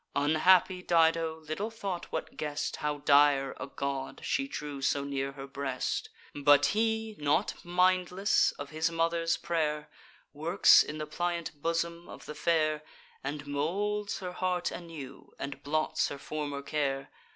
Unhappy Dido little thought what guest, How dire a god, she drew so near her breast; But he, not mindless of his mother's pray'r, Works in the pliant bosom of the fair, And moulds her heart anew, and blots her former care.